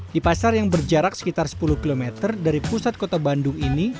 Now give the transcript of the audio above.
di pasar yang berjarak sekitar sepuluh km dari pusat kota bandung ini